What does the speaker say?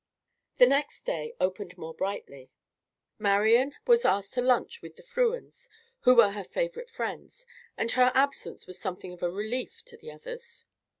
The next day opened more brightly. Marian was asked to lunch with the Frewens, who were her favorite friends; and her absence was something of a relief to the others.